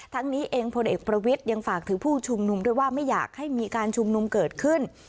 นี้เองพลเอกประวิทย์ยังฝากถึงผู้ชุมนุมด้วยว่าไม่อยากให้มีการชุมนุมเกิดขึ้น